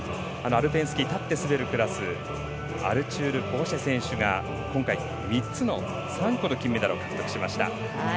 アルペンスキー立って滑るクラスアルチュール・ボシェ選手が今回、３個の金メダルを獲得しました。